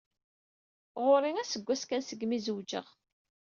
Ɣur-i aseggas kan segmi zewǧeɣ.